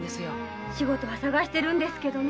仕事は探してるんですけどね。